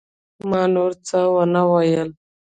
ما نور څه ونه ويل.